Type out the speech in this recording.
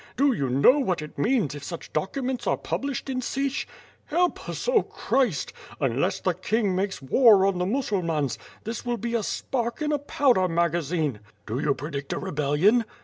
Do you know what it means if .such documents are published in Sich? Help us, oh Christ? Unless the King makes war on the Musulmans, this will be a spark in a pow der magazine." "Do you predict a rebellion?"